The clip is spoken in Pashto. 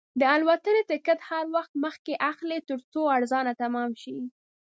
د الوتنې ټکټ هر وخت مخکې اخلئ، ترڅو ارزان تمام شي.